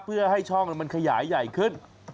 เพื่อให้ช่องมันขยายใหญ่ขึ้น